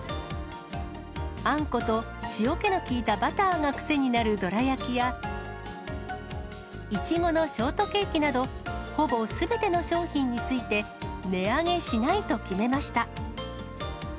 あんこと塩気の効いたバターが癖になるどら焼きや、イチゴのショートケーキなど、ほぼすべての商品について、値上げしないと決めました。